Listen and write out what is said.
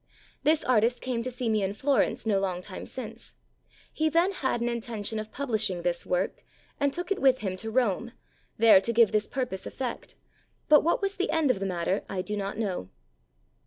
This artist came to see me in Florence no long time since; he then had an intention of publish ing this work, and took it with him to Rome, there to give this purpose effect, but what was the end of the matter I do not know.